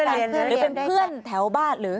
หรือเป็นเพื่อนแถวบ้านหรือ